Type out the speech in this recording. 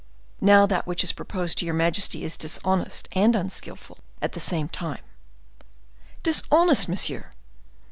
Now that which is proposed to your majesty is dishonest and unskillful at the same time." "Dishonest, monsieur!"